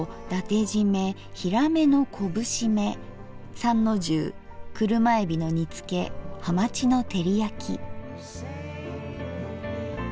三の重車えびの煮つけはまちの照りやき。